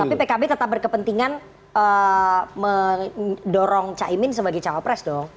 tapi pkb tetap berkepentingan mendorong cahimin sebagai cwapres dong